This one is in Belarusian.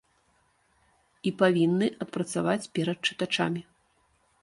І павінны адпрацаваць перад чытачамі.